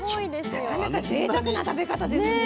なかなかぜいたくな食べ方ですね。ね